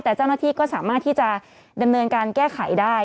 แต่เจ้าหน้าที่ก็สามารถที่จะดำเนินการแก้ไขได้